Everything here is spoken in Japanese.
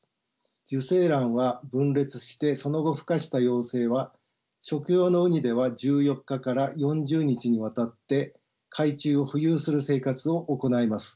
受精卵は分裂してその後ふ化した幼生は食用のウニでは１４日から４０日にわたって海中を浮遊する生活を行います。